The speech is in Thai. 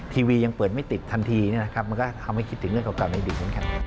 ทีวียังเปิดไม่ติดทันทีมันก็ทำให้คิดถึงเรื่องของการในอดีต